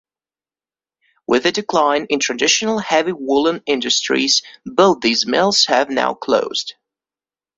With the decline in traditional heavy woollen industries both these mills have now closed.